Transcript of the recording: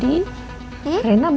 rena mau nggak ikut oma ke rumah papa